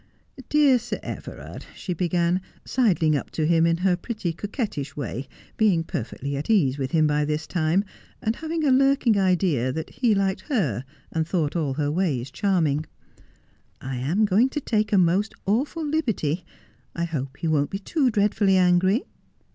' Dear Sir Everard,' she began, sidling up to him in her pretty, coquettish way, being perfectly at ease with him by this time, and having a lurking idea that he liked her ar d thought Drifting Apart. 263 all her ways charming, 'I am going to take a most awful liberty. I hope you won't be too dreadfully angry.'